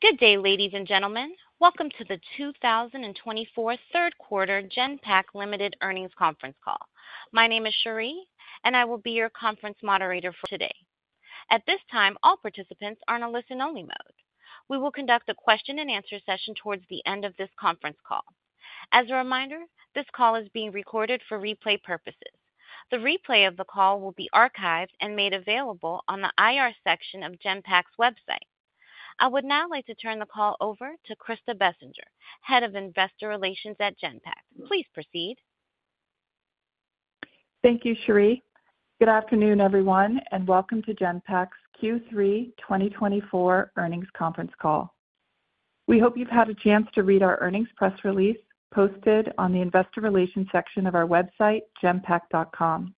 Good day, ladies and gentlemen. Welcome to the 2024 third quarter Genpact Limited earnings conference call. My name is Cherie, and I will be your conference moderator for today. At this time, all participants are in a listen-only mode. We will conduct a question-and-answer session toward the end of this conference call. As a reminder, this call is being recorded for replay purposes. The replay of the call will be archived and made available on the IR section of Genpact's website. I would now like to turn the call over to Krista Bessinger, head of investor relations at Genpact. Please proceed. Thank you, Cherie. Good afternoon, everyone, and welcome to Genpact's Q3 2024 earnings conference call. We hope you've had a chance to read our earnings press release posted on the investor relations section of our website, genpact.com.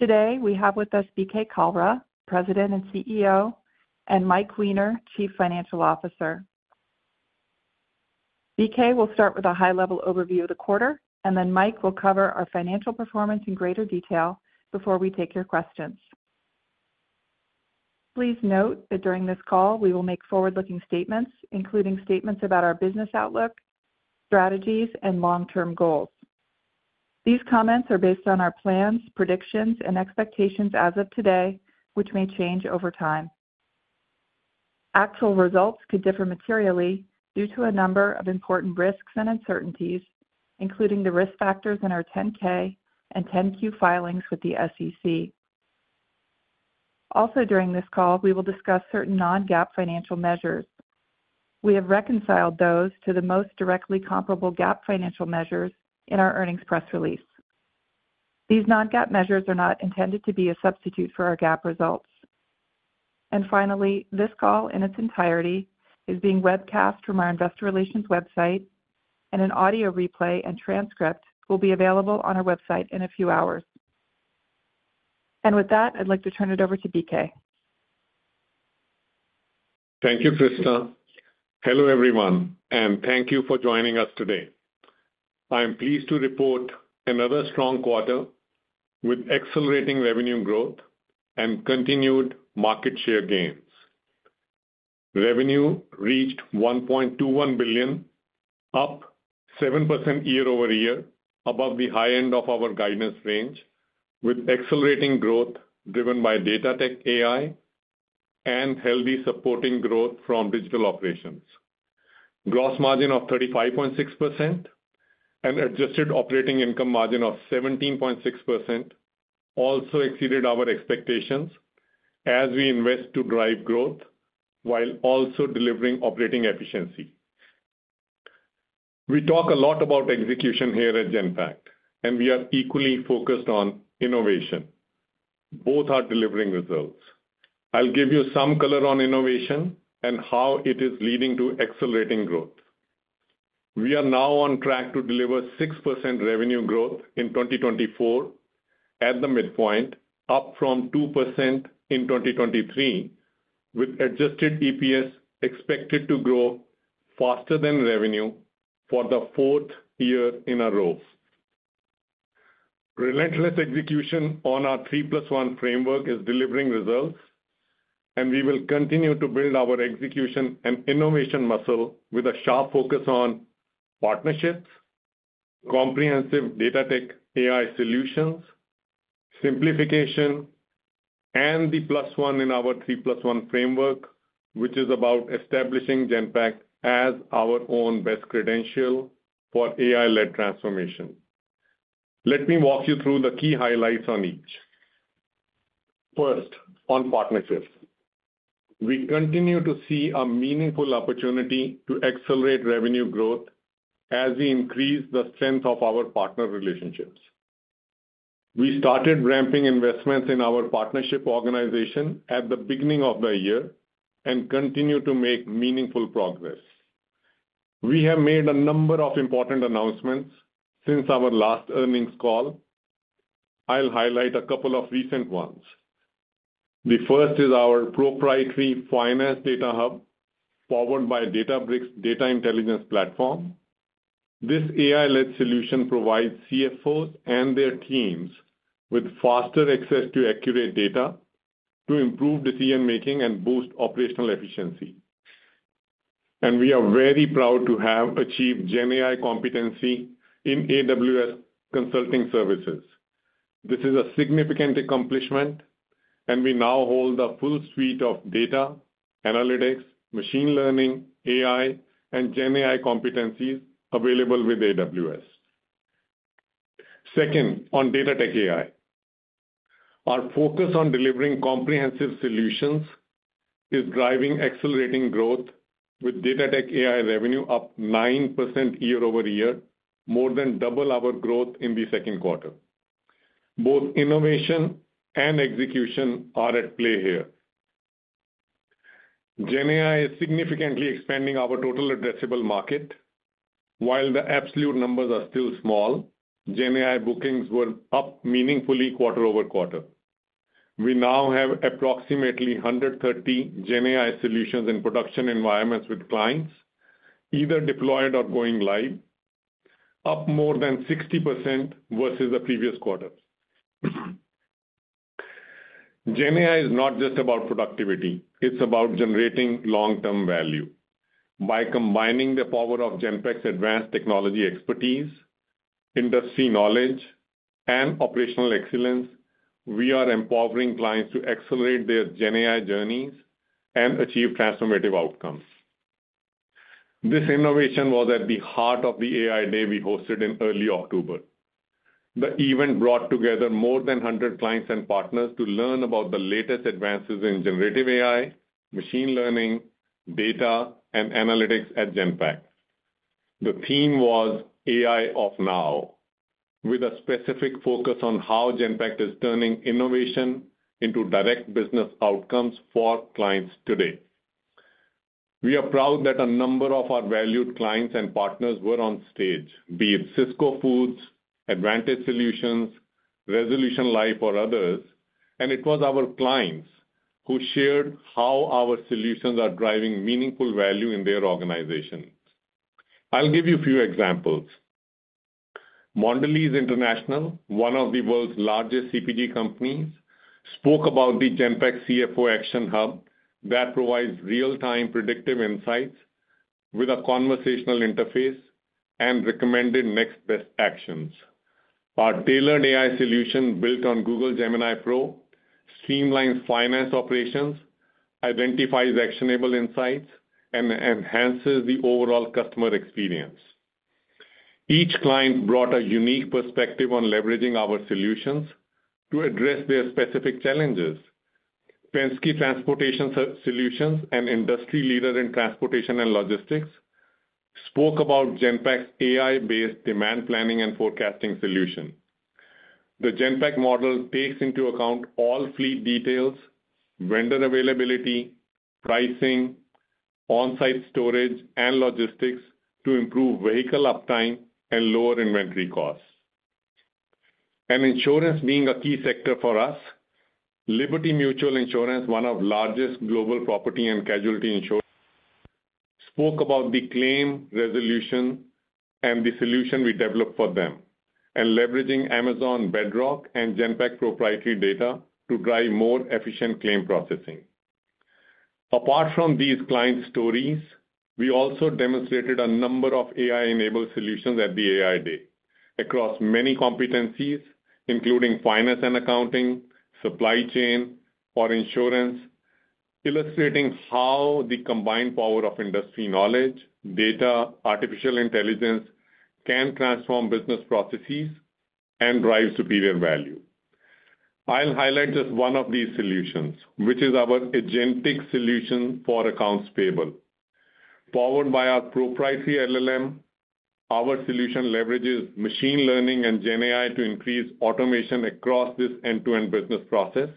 Today, we have with us BK Kalra, President and CEO, and Mike Weiner, Chief Financial Officer. BK will start with a high-level overview of the quarter, and then Mike will cover our financial performance in greater detail before we take your questions. Please note that during this call, we will make forward-looking statements, including statements about our business outlook, strategies, and long-term goals. These comments are based on our plans, predictions, and expectations as of today, which may change over time. Actual results could differ materially due to a number of important risks and uncertainties, including the risk factors in our 10-K and 10-Q filings with the SEC. Also, during this call, we will discuss certain non-GAAP financial measures. We have reconciled those to the most directly comparable GAAP financial measures in our earnings press release. These non-GAAP measures are not intended to be a substitute for our GAAP results, and finally, this call in its entirety is being webcast from our investor relations website, and an audio replay and transcript will be available on our website in a few hours, and with that, I'd like to turn it over to BK. Thank you, Krista. Hello, everyone, and thank you for joining us today. I am pleased to report another strong quarter with accelerating revenue growth and continued market share gains. Revenue reached $1.21 billion, up 7% year over year, above the high end of our guidance range, with accelerating growth driven by Data-Tech-AI and healthy supporting growth from Digital Operations. Gross margin of 35.6% and adjusted operating income margin of 17.6% also exceeded our expectations as we invest to drive growth while also delivering operating efficiency. We talk a lot about execution here at Genpact, and we are equally focused on innovation. Both are delivering results. I'll give you some color on innovation and how it is leading to accelerating growth. We are now on track to deliver 6% revenue growth in 2024 at the midpoint, up from 2% in 2023, with adjusted EPS expected to grow faster than revenue for the fourth year in a row. Relentless execution on our 3+1 framework is delivering results, and we will continue to build our execution and innovation muscle with a sharp focus on partnerships, comprehensive Data-Tech-AI solutions, simplification, and the plus one in our 3+1 framework, which is about establishing Genpact as our own best credential for AI-led transformation. Let me walk you through the key highlights on each. First, on partnerships, we continue to see a meaningful opportunity to accelerate revenue growth as we increase the strength of our partner relationships. We started ramping investments in our partnership organization at the beginning of the year and continue to make meaningful progress. We have made a number of important announcements since our last earnings call. I'll highlight a couple of recent ones. The first is our proprietary finance data hub powered by Databricks' Data Intelligence Platform. This AI-led solution provides CFOs and their teams with faster access to accurate data to improve decision-making and boost operational efficiency, and we are very proud to have achieved GenAI competency in AWS consulting services. This is a significant accomplishment, and we now hold the full suite of data analytics, machine learning, AI, and GenAI competencies available with AWS. Second, on Data-Tech-AI, our focus on delivering comprehensive solutions is driving accelerating growth with Data-Tech-AI revenue up 9% year over year, more than double our growth in the second quarter. Both innovation and execution are at play here. GenAI is significantly expanding our total addressable market. While the absolute numbers are still small, GenAI bookings were up meaningfully quarter over quarter. We now have approximately 130 GenAI solutions in production environments with clients, either deployed or going live, up more than 60% versus the previous quarter. GenAI is not just about productivity. It's about generating long-term value. By combining the power of Genpact's advanced technology expertise, industry knowledge, and operational excellence, we are empowering clients to accelerate their GenAI journeys and achieve transformative outcomes. This innovation was at the heart of the AI Day we hosted in early October. The event brought together more than 100 clients and partners to learn about the latest advances in generative AI, machine learning, data, and analytics at Genpact. The theme was AI of Now, with a specific focus on how Genpact is turning innovation into direct business outcomes for clients today. We are proud that a number of our valued clients and partners were on stage, be it Cisco, Advantage Solutions, Resolution Life, or others, and it was our clients who shared how our solutions are driving meaningful value in their organizations. I'll give you a few examples. Mondelez International, one of the world's largest CPG companies, spoke about the Genpact CFO Action Hub that provides real-time predictive insights with a conversational interface and recommended next best actions. Our tailored AI solution built on Google Gemini Pro streamlines finance operations, identifies actionable insights, and enhances the overall customer experience. Each client brought a unique perspective on leveraging our solutions to address their specific challenges. Penske Transportation Solutions, an industry leader in transportation and logistics, spoke about Genpact's AI-based demand planning and forecasting solution. The Genpact model takes into account all fleet details, vendor availability, pricing, on-site storage, and logistics to improve vehicle uptime and lower inventory costs, and insurance being a key sector for us, Liberty Mutual Insurance, one of the largest global property and casualty insurers, spoke about the claim resolution and the solution we developed for them, and leveraging Amazon Bedrock and Genpact proprietary data to drive more efficient claim processing. Apart from these client stories, we also demonstrated a number of AI-enabled solutions at the AI Day across many competencies, including finance and accounting, supply chain, or insurance, illustrating how the combined power of industry knowledge, data, and artificial intelligence can transform business processes and drive superior value. I'll highlight just one of these solutions, which is our agentic solution for accounts payable. Powered by our proprietary LLM, our solution leverages machine learning and GenAI to increase automation across this end-to-end business process,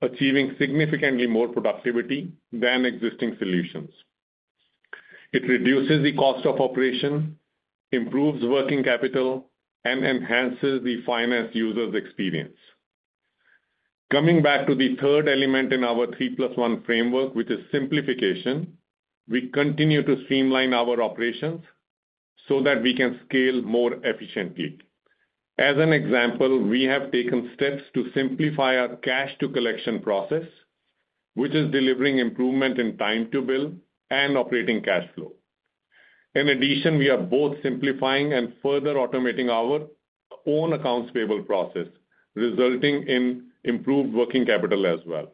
achieving significantly more productivity than existing solutions. It reduces the cost of operation, improves working capital, and enhances the finance user's experience. Coming back to the third element in our 3+1 framework, which is simplification, we continue to streamline our operations so that we can scale more efficiently. As an example, we have taken steps to simplify our cash-to-collection process, which is delivering improvement in time to bill and operating cash flow. In addition, we are both simplifying and further automating our own accounts payable process, resulting in improved working capital as well,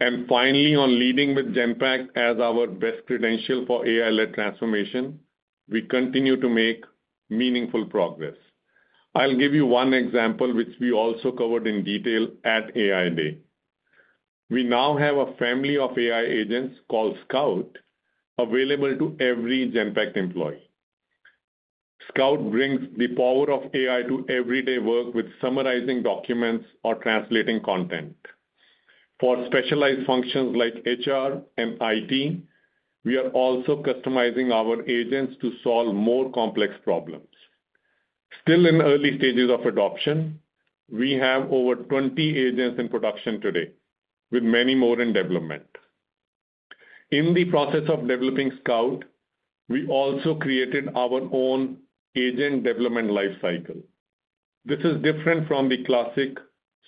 and finally, on leading with Genpact as our best credential for AI-led transformation, we continue to make meaningful progress. I'll give you one example, which we also covered in detail at AI Day. We now have a family of AI agents called Scout available to every Genpact employee. Scout brings the power of AI to everyday work with summarizing documents or translating content. For specialized functions like HR and IT, we are also customizing our agents to solve more complex problems. Still in early stages of adoption, we have over 20 agents in production today, with many more in development. In the process of developing Scout, we also created our own agent development lifecycle. This is different from the classic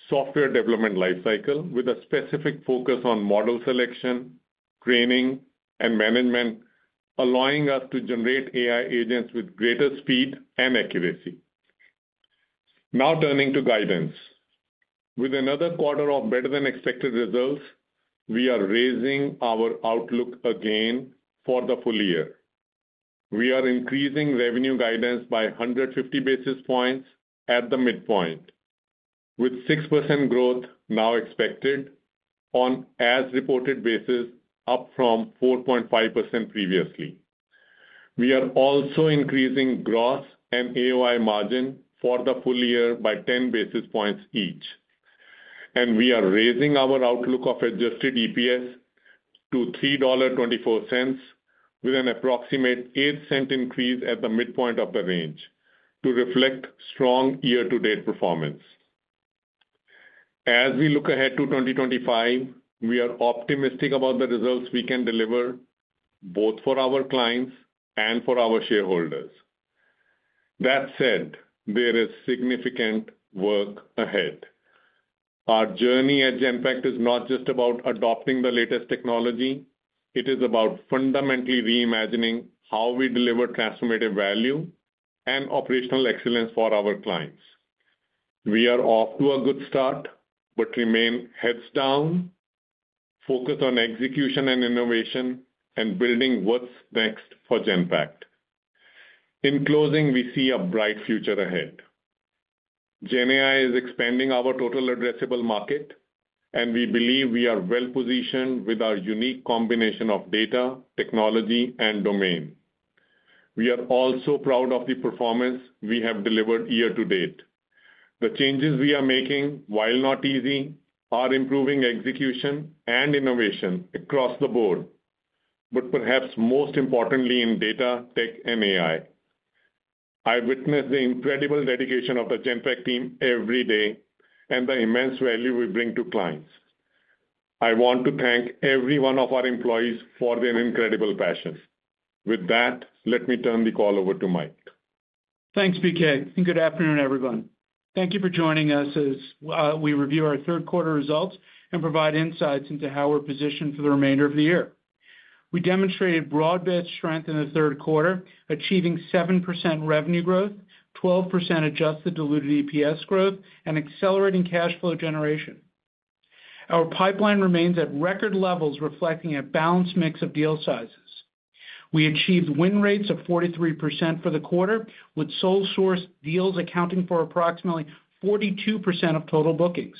software development lifecycle, with a specific focus on model selection, training, and management, allowing us to generate AI agents with greater speed and accuracy. Now turning to guidance. With another quarter of better-than-expected results, we are raising our outlook again for the full year. We are increasing revenue guidance by 150 basis points at the midpoint, with 6% growth now expected on an as-reported basis, up from 4.5% previously. We are also increasing gross and AOI margin for the full year by 10 basis points each, and we are raising our outlook of adjusted EPS to $3.24, with an approximate $0.08 increase at the midpoint of the range to reflect strong year-to-date performance. As we look ahead to 2025, we are optimistic about the results we can deliver both for our clients and for our shareholders. That said, there is significant work ahead. Our journey at Genpact is not just about adopting the latest technology. It is about fundamentally reimagining how we deliver transformative value and operational excellence for our clients. We are off to a good start, but remain heads down, focused on execution and innovation, and building what's next for Genpact. In closing, we see a bright future ahead. GenAI is expanding our total addressable market, and we believe we are well-positioned with our unique combination of data, technology, and domain. We are also proud of the performance we have delivered year to date. The changes we are making, while not easy, are improving execution and innovation across the board, but perhaps most importantly in Data-Tech-AI. I witness the incredible dedication of the Genpact team every day and the immense value we bring to clients. I want to thank every one of our employees for their incredible passion. With that, let me turn the call over to Mike. Thanks, BK, and good afternoon, everyone. Thank you for joining us as we review our third quarter results and provide insights into how we're positioned for the remainder of the year. We demonstrated broad-based strength in the third quarter, achieving 7% revenue growth, 12% adjusted diluted EPS growth, and accelerating cash flow generation. Our pipeline remains at record levels, reflecting a balanced mix of deal sizes. We achieved win rates of 43% for the quarter, with sole-source deals accounting for approximately 42% of total bookings.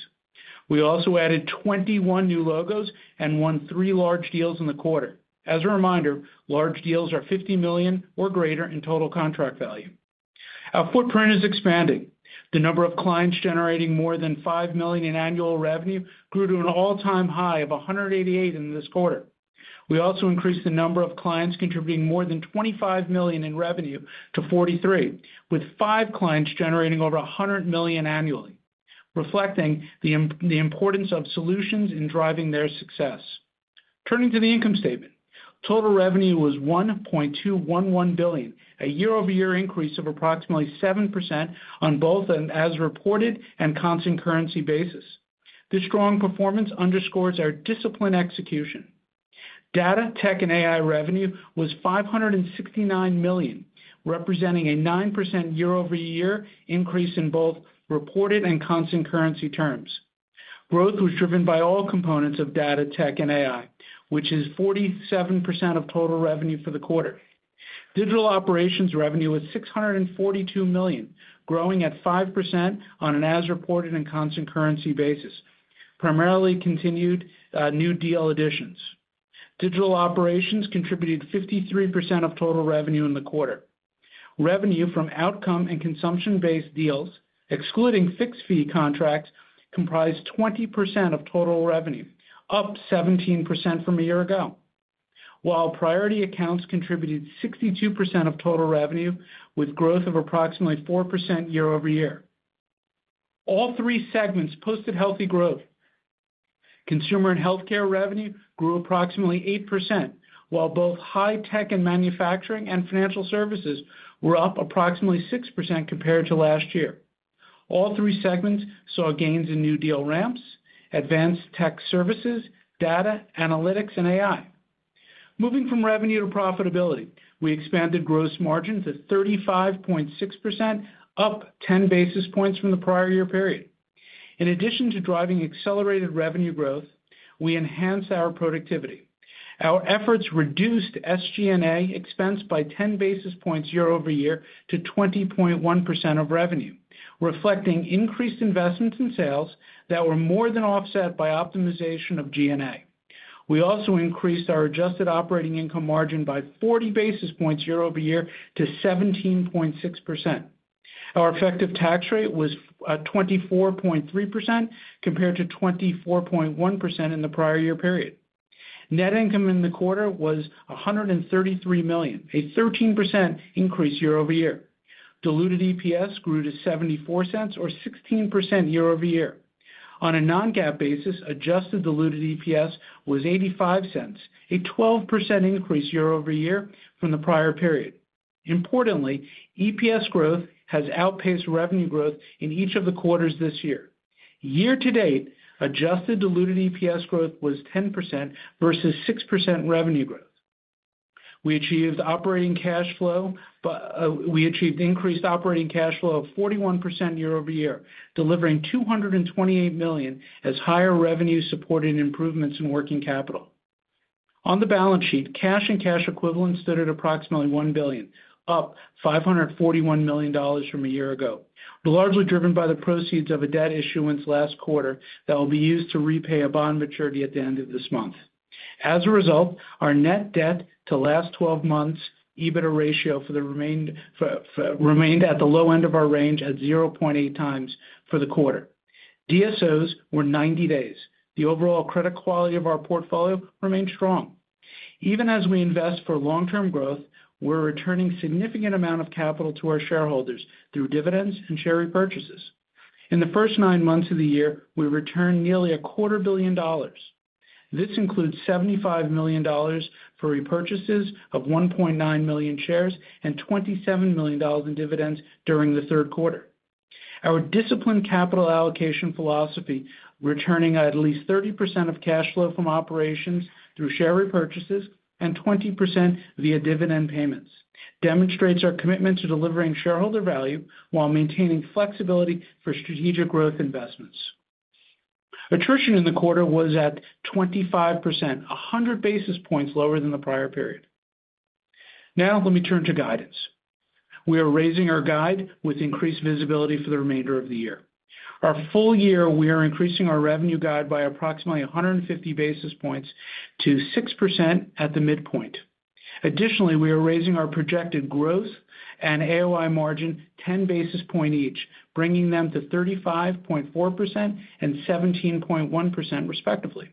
We also added 21 new logos and won three large deals in the quarter. As a reminder, large deals are $50 million or greater in total contract value. Our footprint is expanding. The number of clients generating more than $5 million in annual revenue grew to an all-time high of 188 in this quarter. We also increased the number of clients contributing more than $25 million in revenue to 43, with five clients generating over $100 million annually, reflecting the importance of solutions in driving their success. Turning to the income statement, total revenue was $1.211 billion, a year-over-year increase of approximately 7% on both an as-reported and constant-currency basis. This strong performance underscores our disciplined execution. Data-Tech-AI revenue was $569 million, representing a 9% year-over-year increase in both reported and constant-currency terms. Growth was driven by all components of Data-Tech-AI, which is 47% of total revenue for the quarter. Digital Operations revenue was $642 million, growing at 5% on an as-reported and constant-currency basis, primarily continued new deal additions. Digital Operations contributed 53% of total revenue in the quarter. Revenue from outcome and consumption-based deals, excluding fixed-fee contracts, comprised 20% of total revenue, up 17% from a year ago, while Priority Accounts contributed 62% of total revenue, with growth of approximately 4% year-over-year. All three segments posted healthy growth. Consumer and Healthcare revenue grew approximately 8%, while both High Tech and Manufacturing and Financial Services were up approximately 6% compared to last year. All three segments saw gains in new deal ramps, advanced tech services, data, analytics, and AI. Moving from revenue to profitability, we expanded gross margins at 35.6%, up 10 basis points from the prior year period. In addition to driving accelerated revenue growth, we enhanced our productivity. Our efforts reduced SG&A expense by 10 basis points year-over-year to 20.1% of revenue, reflecting increased investments in sales that were more than offset by optimization of G&A. We also increased our adjusted operating income margin by 40 basis points year-over-year to 17.6%. Our effective tax rate was 24.3% compared to 24.1% in the prior year period. Net income in the quarter was $133 million, a 13% increase year-over-year. Diluted EPS grew to $0.74, or 16% year-over-year. On a non-GAAP basis, adjusted diluted EPS was $0.85, a 12% increase year-over-year from the prior period. Importantly, EPS growth has outpaced revenue growth in each of the quarters this year. Year to date, adjusted diluted EPS growth was 10% versus 6% revenue growth. We achieved increased operating cash flow of 41% year-over-year, delivering $228 million as higher revenue supported improvements in working capital. On the balance sheet, cash and cash equivalents stood at approximately $1 billion, up $541 million from a year ago, largely driven by the proceeds of a debt issuance last quarter that will be used to repay a bond maturity at the end of this month. As a result, our net debt to last 12 months EBITDA ratio remained at the low end of our range at 0.8 times for the quarter. DSOs were 90 days. The overall credit quality of our portfolio remained strong. Even as we invest for long-term growth, we're returning a significant amount of capital to our shareholders through dividends and share repurchases. In the first nine months of the year, we returned nearly $250 million. This includes $75 million for repurchases of 1.9 million shares and $27 million in dividends during the third quarter. Our disciplined capital allocation philosophy, returning at least 30% of cash flow from operations through share repurchases and 20% via dividend payments, demonstrates our commitment to delivering shareholder value while maintaining flexibility for strategic growth investments. Attrition in the quarter was at 25%, 100 basis points lower than the prior period. Now, let me turn to guidance. We are raising our guide with increased visibility for the remainder of the year. Our full year, we are increasing our revenue guide by approximately 150 basis points to 6% at the midpoint. Additionally, we are raising our projected growth and AOI margin 10 basis points each, bringing them to 35.4% and 17.1%, respectively.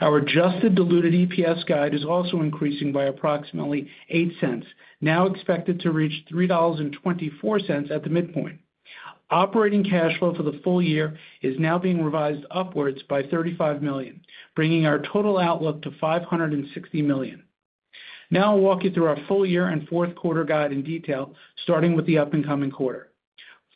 Our adjusted diluted EPS guide is also increasing by approximately $0.08, now expected to reach $3.24 at the midpoint. Operating cash flow for the full year is now being revised upwards by $35 million, bringing our total outlook to $560 million. Now, I'll walk you through our full year and fourth quarter guide in detail, starting with the upcoming quarter.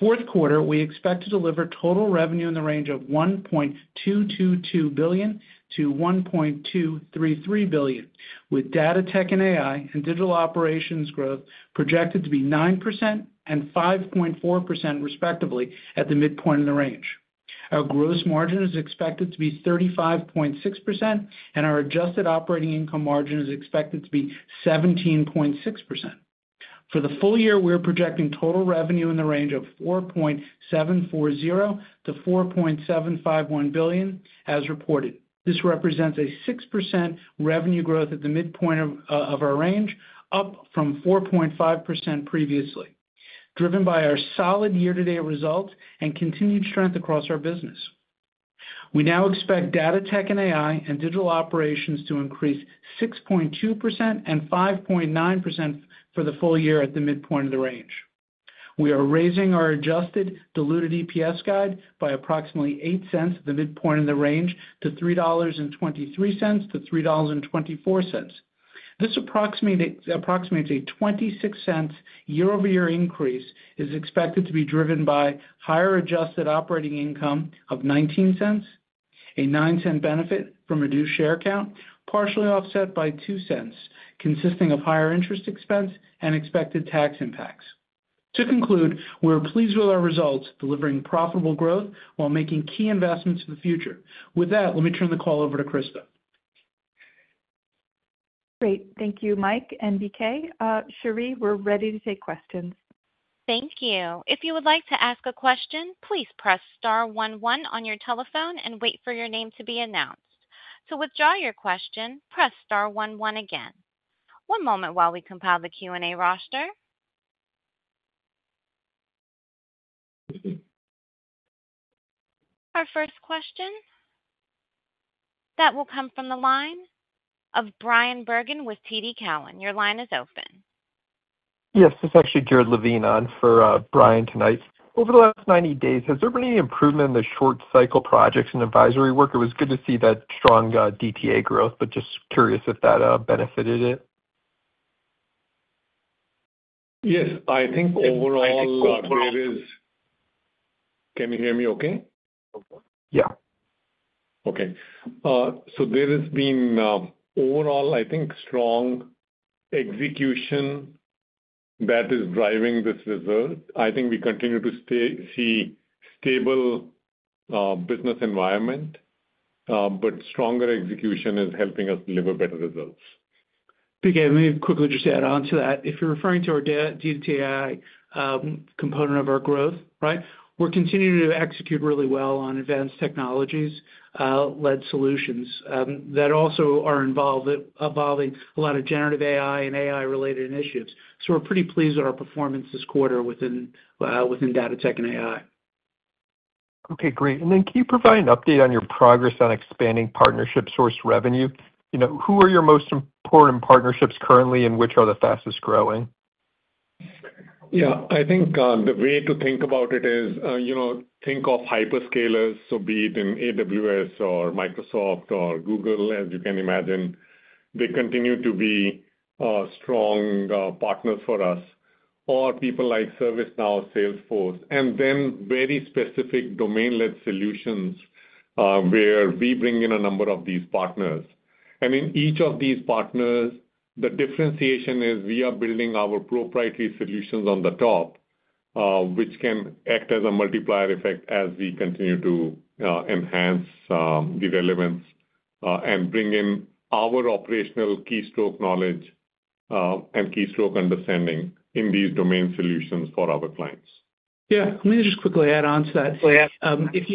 Fourth quarter, we expect to deliver total revenue in the range of $1.222 billion-$1.233 billion, with Data-Tech-AI and Digital Operations growth projected to be 9% and 5.4%, respectively, at the midpoint in the range. Our gross margin is expected to be 35.6%, and our adjusted operating income margin is expected to be 17.6%. For the full year, we're projecting total revenue in the range of $4.740 billion-$4.751 billion, as reported. This represents a 6% revenue growth at the midpoint of our range, up from 4.5% previously, driven by our solid year-to-date results and continued strength across our business. We now expect Data-Tech-AI and Digital Operations to increase 6.2% and 5.9% for the full year at the midpoint of the range. We are raising our adjusted diluted EPS guide by approximately $0.08 at the midpoint in the range to $3.23-$3.24. This approximates a $0.26 year-over-year increase that is expected to be driven by higher adjusted operating income of $0.19, a $0.09 benefit from a diluted share count partially offset by $0.02, consisting of higher interest expense and expected tax impacts. To conclude, we're pleased with our results, delivering profitable growth while making key investments for the future. With that, let me turn the call over to Krista. Great. Thank you, Mike and BK. Cherie, we're ready to take questions. Thank you. If you would like to ask a question, please press star 11 on your telephone and wait for your name to be announced. To withdraw your question, press star 11 again. One moment while we compile the Q&A roster. Our first question that will come from the line of Brian Bergin with TD Cowen. Your line is open. Yes. This is actually Jared Levine on for Brian tonight. Over the last 90 days, has there been any improvement in the short-cycle projects and advisory work? It was good to see that strong DTA growth, but just curious if that benefited it. Yes. I think overall. I think it is. Can you hear me okay? Yeah. Okay. So there has been overall, I think, strong execution that is driving this result. I think we continue to see a stable business environment, but stronger execution is helping us deliver better results. BK, let me quickly just add on to that. If you're referring to our data DTA component of our growth, right, we're continuing to execute really well on advanced technologies-led solutions that also are involving a lot of generative AI and AI-related initiatives. So we're pretty pleased with our performance this quarter within Data-Tech-AI. Okay. Great. And then can you provide an update on your progress on expanding partnership source revenue? Who are your most important partnerships currently, and which are the fastest growing? Yeah. I think the way to think about it is think of hyperscalers, so be it in AWS or Microsoft or Google, as you can imagine. They continue to be strong partners for us, or people like ServiceNow, Salesforce, and then very specific domain-led solutions where we bring in a number of these partners, and in each of these partners, the differentiation is we are building our proprietary solutions on the top, which can act as a multiplier effect as we continue to enhance the relevance and bring in our operational keystroke knowledge and keystroke understanding in these domain solutions for our clients. Yeah. Let me just quickly add on to that. If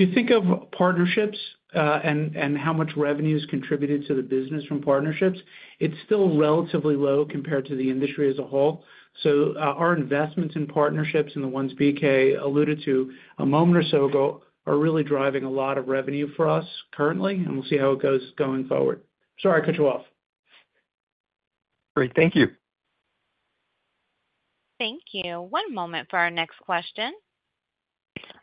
you think of partnerships and how much revenue is contributed to the business from partnerships, it's still relatively low compared to the industry as a whole. So our investments in partnerships, and the ones BK alluded to a moment or so ago, are really driving a lot of revenue for us currently, and we'll see how it goes going forward. Sorry, I cut you off. Great. Thank you. Thank you. One moment for our next question.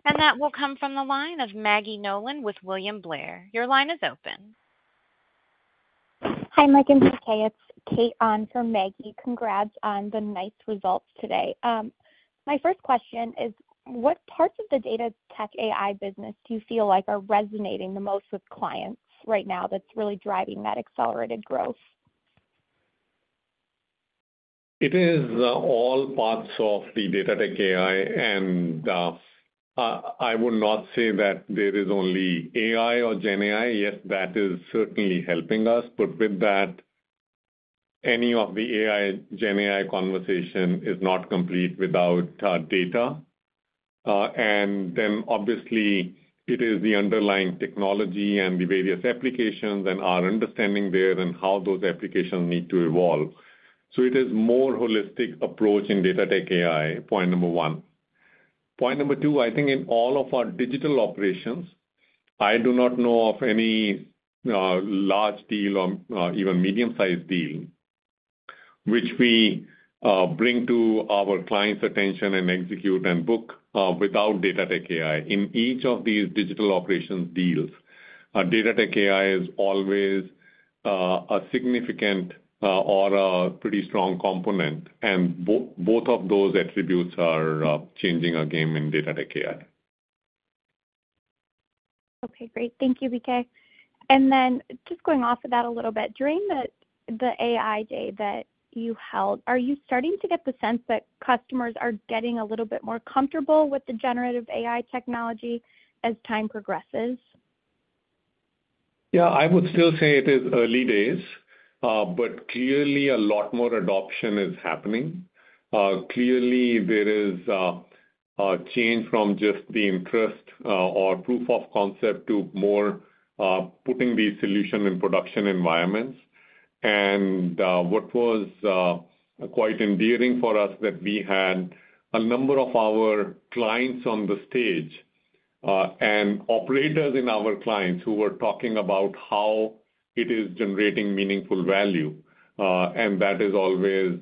And that will come from the line of Maggie Nolan with William Blair. Your line is open. Hi, Mike. It's Kate on for Maggie. Congrats on the nice results today. My first question is, what parts of the Data-Tech-AI business do you feel like are resonating the most with clients right now, that's really driving that accelerated growth? It is all parts of the Data-Tech-AI, and I would not say that there is only AI or GenAI. Yes, that is certainly helping us, but with that, any of the GenAI conversation is not complete without data, and then, obviously, it is the underlying technology and the various applications and our understanding there and how those applications need to evolve, so it is a more holistic approach in Data-Tech-AI, point number one. Point number two, I think in all of our Digital Operations, I do not know of any large deal or even medium-sized deal which we bring to our clients' attention and execute and book without Data-Tech-AI. In each of these Digital Operations deals, Data-Tech-AI is always a significant or a pretty strong component, and both of those attributes are changing our game in Data-Tech-AI Okay. Great. Thank you, BK. And then just going off of that a little bit, during the AI day that you held, are you starting to get the sense that customers are getting a little bit more comfortable with the generative AI technology as time progresses? Yeah. I would still say it is early days, but clearly, a lot more adoption is happening. Clearly, there is a change from just the interest or proof of concept to more putting these solutions in production environments. And what was quite endearing for us that we had a number of our clients on the stage and operators in our clients who were talking about how it is generating meaningful value. And that is always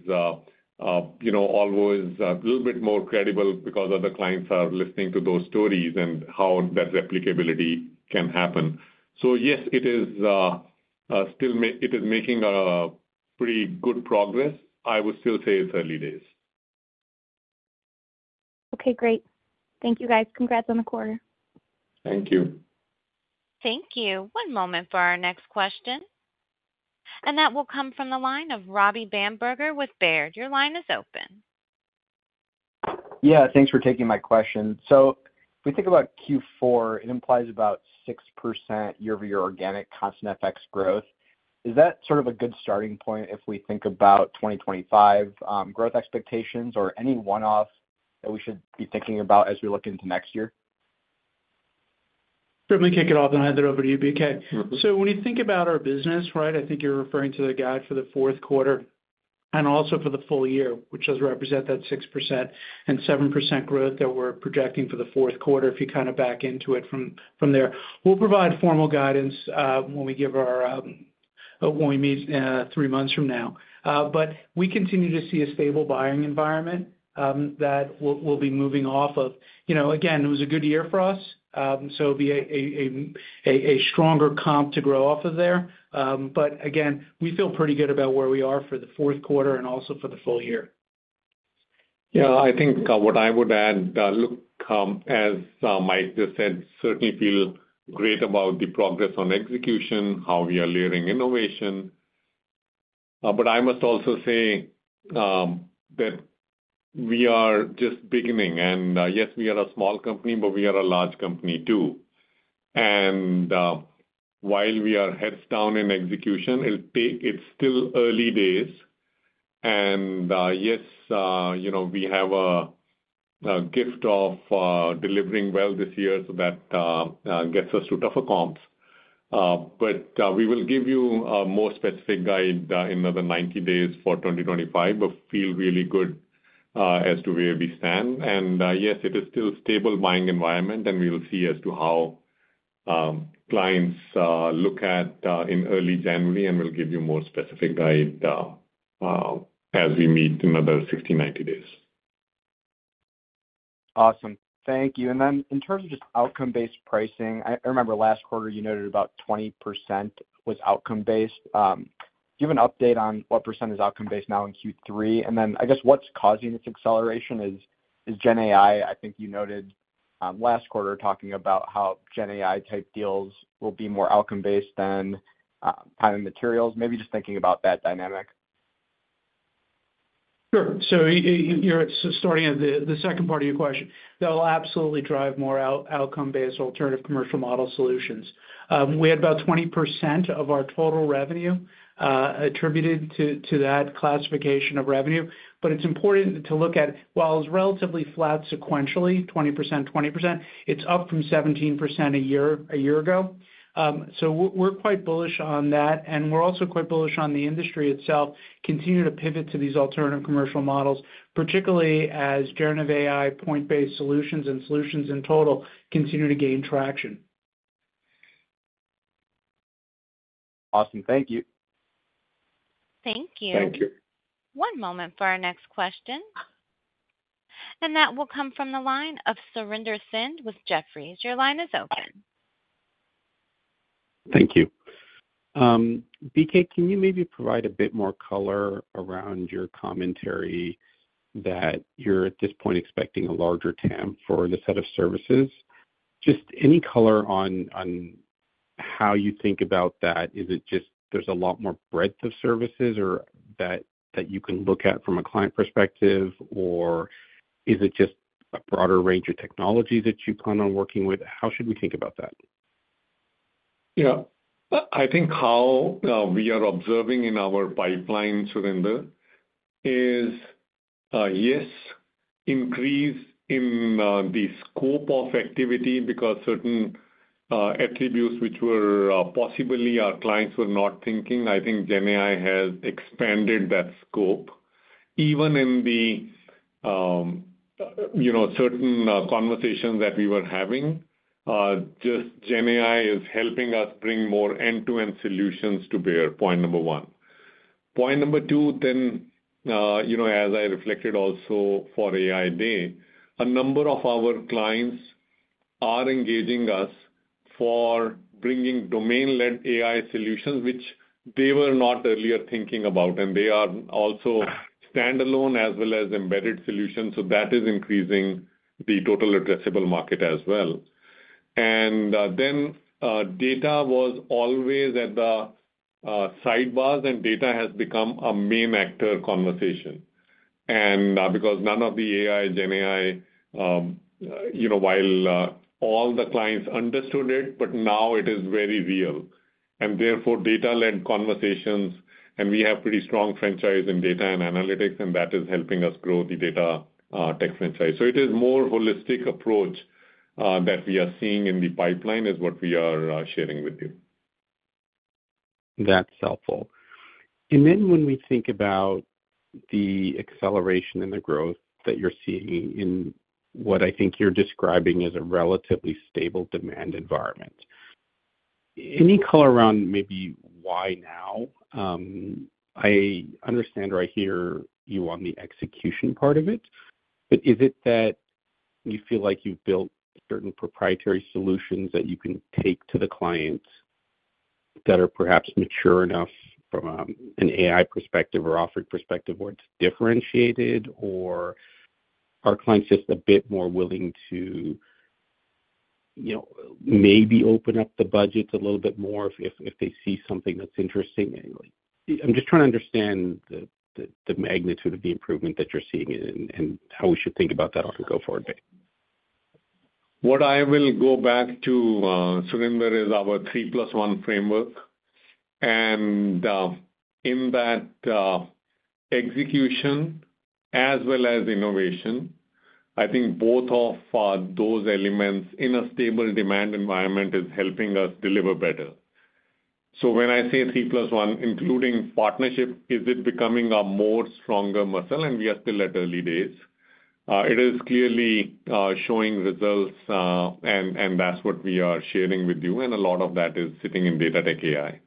a little bit more credible because other clients are listening to those stories and how that replicability can happen. So yes, it is still making pretty good progress. I would still say it's early days. Okay. Great. Thank you, guys. Congrats on the quarter. Thank you. Thank you. One moment for our next question. That will come from the line of Robbie Bamberger with Baird. Your line is open. Yeah. Thanks for taking my question. So if we think about Q4, it implies about 6% year-over-year organic constant currency growth. Is that sort of a good starting point if we think about 2025 growth expectations or any one-off that we should be thinking about as we look into next year? Let me kick it off and hand it over to you, BK. So when you think about our business, right, I think you're referring to the guide for the fourth quarter and also for the full year, which does represent that 6% and 7% growth that we're projecting for the fourth quarter if you kind of back into it from there. We'll provide formal guidance when we give our when we meet three months from now. But we continue to see a stable buying environment that we'll be moving off of. Again, it was a good year for us, so it'll be a stronger comp to grow off of there. But again, we feel pretty good about where we are for the fourth quarter and also for the full year. Yeah. I think what I would add, as Mike just said, certainly feel great about the progress on execution, how we are layering innovation. But I must also say that we are just beginning. And yes, we are a small company, but we are a large company too. And while we are heads down in execution, it's still early days. And yes, we have a gift of delivering well this year, so that gets us to tougher comps. But we will give you a more specific guide in another 90 days for 2025, but feel really good as to where we stand. And yes, it is still a stable buying environment, and we will see as to how clients look at in early January, and we'll give you more specific guide as we meet in another 60, 90 days. Awesome. Thank you. And then in terms of just outcome-based pricing, I remember last quarter you noted about 20% was outcome-based. Do you have an update on what % is outcome-based now in Q3? And then I guess what's causing this acceleration is GenAI. I think you noted last quarter talking about how GenAI-type deals will be more outcome-based than time and materials. Maybe just thinking about that dynamic. Sure. So you're starting at the second part of your question. That will absolutely drive more outcome-based alternative commercial model solutions. We had about 20% of our total revenue attributed to that classification of revenue. But it's important to look at, while it's relatively flat sequentially, 20%, 20%, it's up from 17% a year ago. So we're quite bullish on that. And we're also quite bullish on the industry itself continuing to pivot to these alternative commercial models, particularly as generative AI point-based solutions and solutions in total continue to gain traction. Awesome. Thank you. Thank you. Thank you. One moment for our next question. And that will come from the line of Surinder Thind with Jefferies. Your line is open. Thank you. BK, can you maybe provide a bit more color around your commentary that you're at this point expecting a larger TAM for the set of services? Just any color on how you think about that. Is it just there's a lot more breadth of services that you can look at from a client perspective, or is it just a broader range of technologies that you plan on working with? How should we think about that? Yeah. I think how we are observing in our pipeline, Surinder, is yes, increase in the scope of activity because certain attributes which possibly our clients were not thinking. I think GenAI has expanded that scope. Even in the certain conversations that we were having, just GenAI is helping us bring more end-to-end solutions to bear, point number one. Point number two, then as I reflected also for AI Day, a number of our clients are engaging us for bringing domain-led AI solutions, which they were not earlier thinking about. And they are also standalone as well as embedded solutions. So that is increasing the total addressable market as well. And then data was always at the sidebars, and data has become a main actor conversation. And because none of the AI, GenAI, while all the clients understood it, but now it is very real. And therefore, data-led conversations, and we have pretty strong franchise in data and analytics, and that is helping us grow the data tech franchise. So, it is a more holistic approach that we are seeing in the pipeline, is what we are sharing with you. That's helpful, and then when we think about the acceleration and the growth that you're seeing in what I think you're describing as a relatively stable demand environment, any color around maybe why now? I understand or I hear you on the execution part of it, but is it that you feel like you've built certain proprietary solutions that you can take to the clients that are perhaps mature enough from an AI perspective or offering perspective where it's differentiated, or are clients just a bit more willing to maybe open up the budgets a little bit more if they see something that's interesting? I'm just trying to understand the magnitude of the improvement that you're seeing and how we should think about that on the go forward. What I will go back to, Surinder, is our three-plus-one framework, and in that execution as well as innovation, I think both of those elements in a stable demand environment is helping us deliver better, so when I say three-plus-one, including partnership, is it becoming a more stronger muscle? And we are still at early days. It is clearly showing results, and that's what we are sharing with you, and a lot of that is sitting in Data-Tech-AI.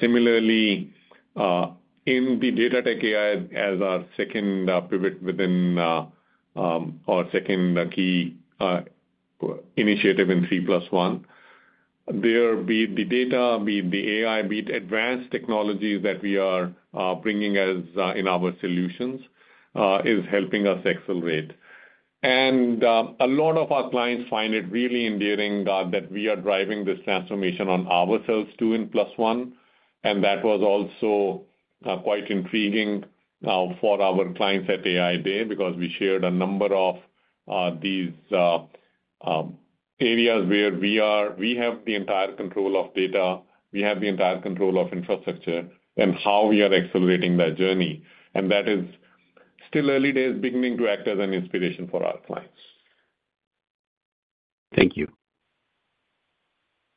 Similarly, in the Data-Tech-AI as our second pivot within our second key initiative in three-plus-one, there be the data, be the AI, be advanced technologies that we are bringing as in our solutions is helping us accelerate, and a lot of our clients find it really endearing that we are driving this transformation on ourselves too in plus one. And that was also quite intriguing for our clients at AI Day because we shared a number of these areas where we have the entire control of data, we have the entire control of infrastructure, and how we are accelerating that journey. And that is still early days, beginning to act as an inspiration for our clients. Thank you.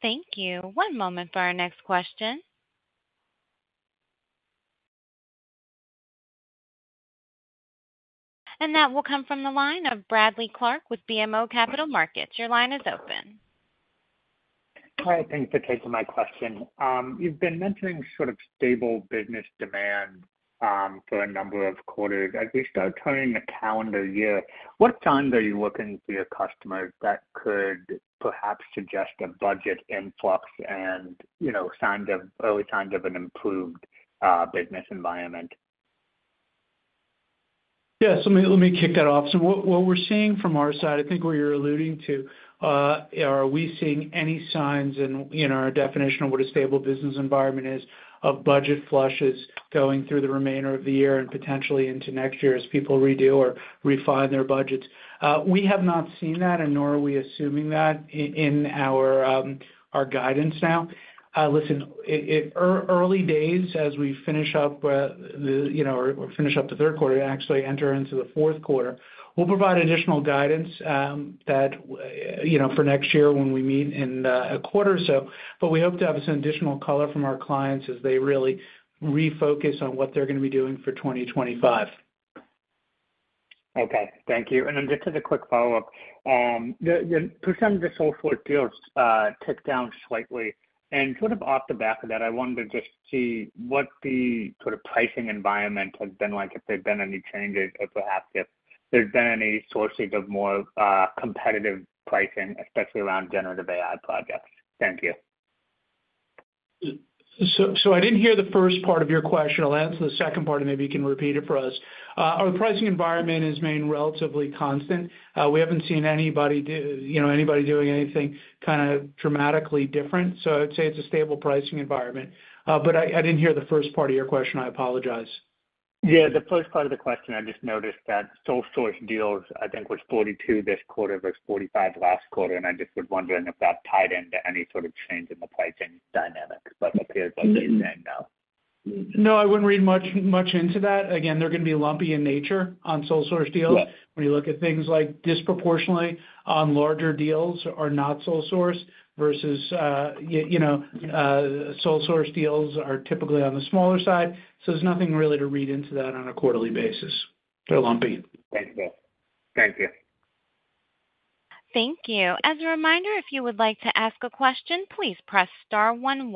Thank you. One moment for our next question. And that will come from the line of Bradley Clark with BMO Capital Markets. Your line is open. Hi. Thanks for taking my question. You've been mentioning sort of stable business demand for a number of quarters. As we start turning the calendar year, what signs are you looking for your customers that could perhaps suggest a budget influx and early signs of an improved business environment? Yeah. So let me kick that off. What we're seeing from our side, I think what you're alluding to, are we seeing any signs in our definition of what a stable business environment is of budget flushes going through the remainder of the year and potentially into next year as people redo or refine their budgets? We have not seen that, and nor are we assuming that in our guidance now. Listen, early days, as we finish up the third quarter and actually enter into the fourth quarter, we'll provide additional guidance for next year when we meet in a quarter or so. But we hope to have some additional color from our clients as they really refocus on what they're going to be doing for 2025. Okay. Thank you. Then just as a quick follow-up, percent of the sole-source deals ticked down slightly. Sort of off the back of that, I wanted to just see what the sort of pricing environment has been like, if there have been any changes, or perhaps if there's been any sources of more competitive pricing, especially around generative AI projects. Thank you. I didn't hear the first part of your question. I'll answer the second part, and maybe you can repeat it for us. Our pricing environment has remained relatively constant. We haven't seen anybody doing anything kind of dramatically different. I would say it's a stable pricing environment. I didn't hear the first part of your question. I apologize. Yeah. The first part of the question, I just noticed that small deals, I think, were 42 this quarter versus 45 last quarter. I just was wondering if that tied into any sort of change in the pricing dynamic. But it appears like they've been down. No, I wouldn't read much into that. Again, they're going to be lumpy in nature on sole-source deals. When you look at things like, disproportionately on larger deals are not sole-source deals deals versus sole-source deals deals are typically on the smaller side. So there's nothing really to read into that on a quarterly basis. They're lumpy. Thank you. Thank you. Thank you. As a reminder, if you would like to ask a question, please press star 11.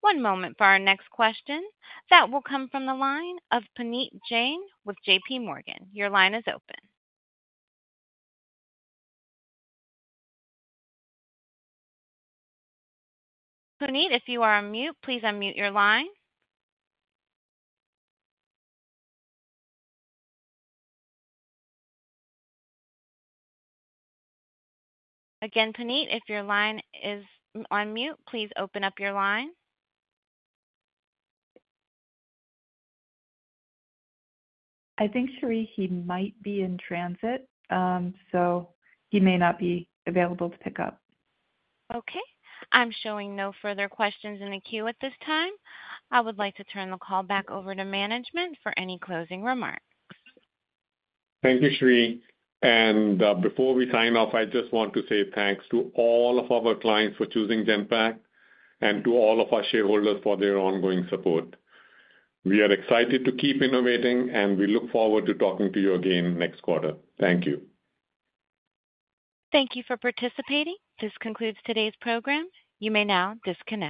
One moment for our next question. That will come from the line of Puneet Jain with J.P. Morgan. Your line is open. Puneet, if you are on mute, please unmute your line. Again, Puneet, if your line is on mute, please open up your line. I think, Cherie, he might be in transit, so he may not be available to pick up. Okay. I'm showing no further questions in the queue at this time. I would like to turn the call back over to management for any closing remarks. Thank you, Cherie, and before we sign off, I just want to say thanks to all of our clients for choosing Genpact and to all of our shareholders for their ongoing support. We are excited to keep innovating, and we look forward to talking to you again next quarter. Thank you. Thank you for participating. This concludes today's program. You may now disconnect.